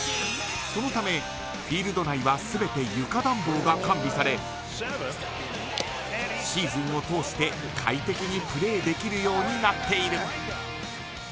そのため、フィールド内は全て床暖房が完備されシーズンを通して快適にプレーできるようになっている。